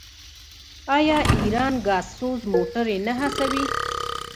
آیا ایران ګازسوز موټرې نه هڅوي؟